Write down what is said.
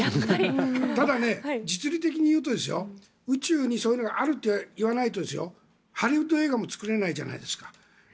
ただ、実利的に言うと宇宙にそういうのがあるといわないとハリウッド映画も作れないじゃないですか。